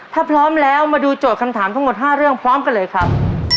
ถ้าพร้อมแล้วมาดูโจทย์คำถามทั้งหมด๕เรื่องพร้อมกันเลยครับ